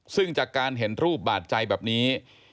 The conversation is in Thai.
ซึ่งจากการเห็นรูปบาดใจแบบนี้